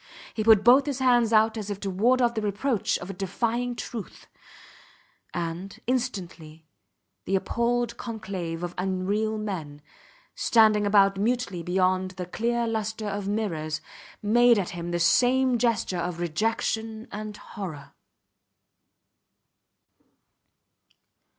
He put both his hands out as if to ward off the reproach of a defiling truth; and, instantly, the appalled conclave of unreal men, standing about mutely beyond the clear lustre of mirrors, made at him the same gesture of rejection and horror.